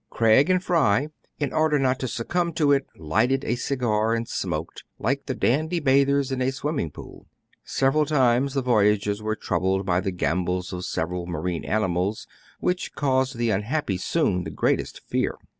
Craig and Fry, in order not to succumb to it, lighted a cigar, and smoked, like the dandy bathers in a swimming school. Several times the voyagers were troubled by the gambols of several marine animals, which caused the unhappy Soun the greatest fear.